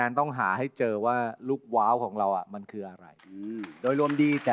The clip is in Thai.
อย่าให้เขารู้ว่าเราไม่เปลี่ยนจากเดิม